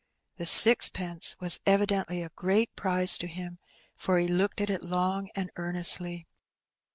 The six pence was evidently a great prize to him, for he looked at it long and earnestly.